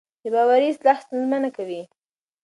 بې باورۍ اصلاح ستونزمنه کوي